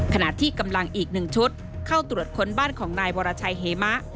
ขณะที่กำลังอีก๑ชุดเข้าตรวจค้นบ้านของนายวรชัยเหมะ